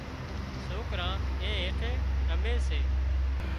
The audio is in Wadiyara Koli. سوڪران اين هيٺي رمي سي